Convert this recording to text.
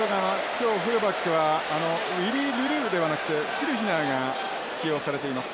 今日フルバックはウィリールルーではなくてキルヒナーが起用されています。